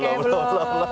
belum belum belum